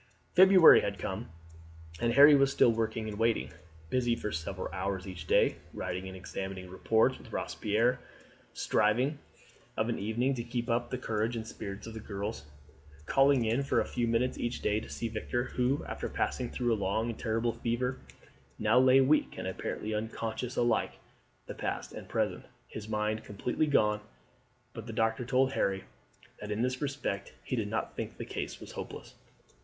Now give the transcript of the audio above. February had come and Harry was still working and waiting, busy for several hours each day writing and examining reports with Robespierre, striving of an evening to keep up the courage and spirits of the girls, calling in for a few minutes each day to see Victor, who, after passing through a long and terrible fever, now lay weak and apparently unconscious alike of the past and present, his mind completely gone; but the doctor told Harry that in this respect he did not think the case was hopeless.